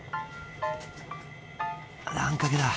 あんかけだ。